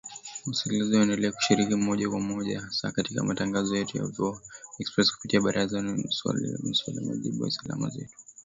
Wasikilizaji waendelea kushiriki moja kwa moja hasa katika matangazo yetu ya VOA Express kupitia ‘Barazani’ na ‘Swali la Leo’, 'Maswali na Majibu', na 'Salamu Zenu'